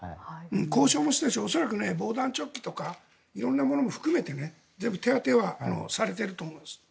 交渉もしたし恐らく防弾チョッキとか色んなものも含めて全部手当はされていると思います。